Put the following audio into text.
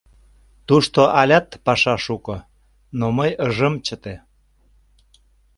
Тушто алят паша шуко, но мый ыжым чыте.